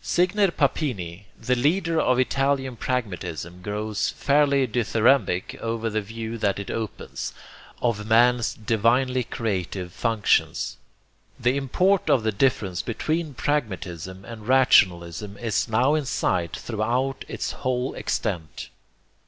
Signer Papini, the leader of italian pragmatism, grows fairly dithyrambic over the view that it opens, of man's divinely creative functions. The import of the difference between pragmatism and rationalism is now in sight throughout its whole extent.